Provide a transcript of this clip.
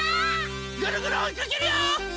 ぐるぐるおいかけるよ！